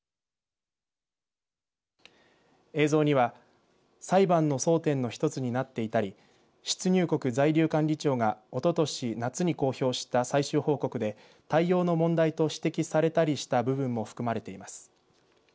映像には裁判の争点の一つになっていたり出入国在留管理庁がおととし夏に公表した最終報告で対応の問題として指摘されたりした部分も含まれています。